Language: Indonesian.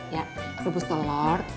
ya rebus telur